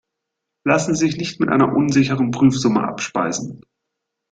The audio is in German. Lassen Sie sich nicht mit einer unsicheren Prüfsumme abspeisen.